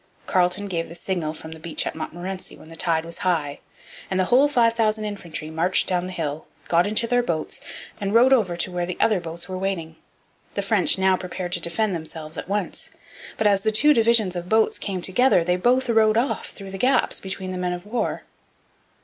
Carleton gave the signal from the beach at Montmorency when the tide was high; and the whole five thousand infantry marched down the hill, got into their boats, and rowed over to where the other boats were waiting. The French now prepared to defend themselves at once. But as the two divisions of boats came together, they both rowed off through the gaps between the men of war.